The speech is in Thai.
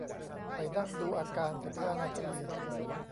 ไปนั่งดูอาการสิบห้านาที